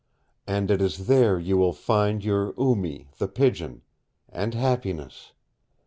And it is there you will find your Oo Mee the Pigeon and happiness.